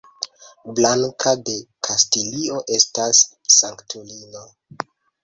Blanka de Kastilio estas sanktulino.